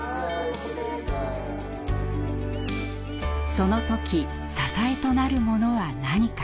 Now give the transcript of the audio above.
その時支えとなるものは何か？